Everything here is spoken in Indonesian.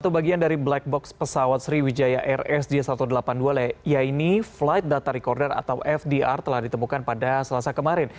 satu bagian dari black box pesawat sriwijaya rsj satu ratus delapan puluh dua yaitu flight data recorder atau fdr telah ditemukan pada selasa kemarin